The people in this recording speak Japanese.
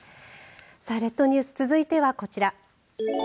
さあ列島ニュース続いてはこちら。